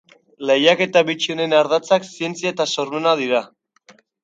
Lehiaketa bitxi honen ardatzak zientzia eta sormena dira.